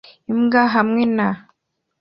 Imbwa hamwe na